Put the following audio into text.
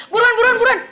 buruan buruan buruan